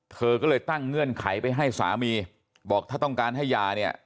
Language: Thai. เธอก็เลยตั้งเงื่อนไขไปให้สามีบอกถ้าต้องการให้ยาเนี่ย